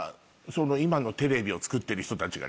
今のテレビを作ってる人たちがね。